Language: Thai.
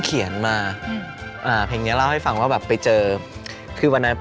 ก็เลยแต่งเพลงเองดีกว่าแล้วมานานใจ